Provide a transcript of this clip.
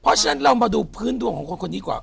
เพราะฉะนั้นเรามาดูพื้นดวงของคนคนนี้ก่อน